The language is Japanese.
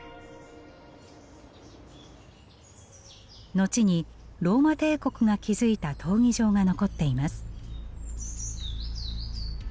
後にローマ帝国が築いた闘技場が残っています。